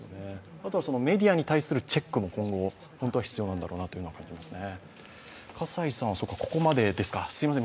メディアに対するチェックも今後、本当は必要なんだろうと思いますね。